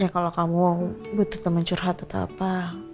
kalau kamu butuh teman curhat atau apa